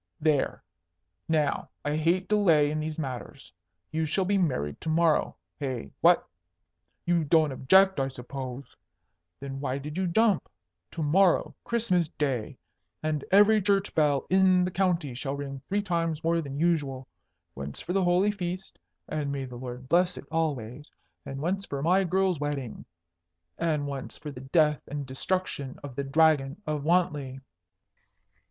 There! Now, I hate delay in these matters. You shall be married to morrow. Hey? What? You don't object, I suppose? Then why did you jump? To morrow, Christmas Day, and every church bell in the county shall ring three times more than usual. Once for the holy Feast, and may the Lord bless it always! and once for my girl's wedding. And once for the death and destruction of the Dragon of Wantley."